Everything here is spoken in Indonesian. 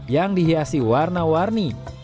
yang dihiasi warna warni